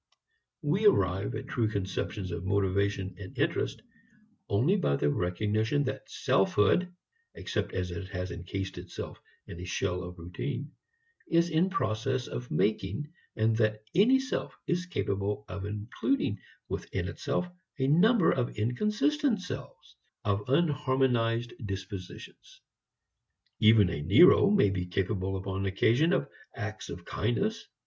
We arrive at true conceptions of motivation and interest only by the recognition that selfhood (except as it has encased itself in a shell of routine) is in process of making, and that any self is capable of including within itself a number of inconsistent selves, of unharmonized dispositions. Even a Nero may be capable upon occasion of acts of kindness.